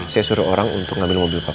saya suruh orang untuk ngambil mobil papa